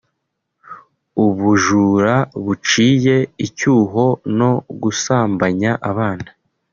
ubujura buciye icyuho no gusambanya abana